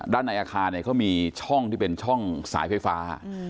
ในอาคารเนี่ยเขามีช่องที่เป็นช่องสายไฟฟ้า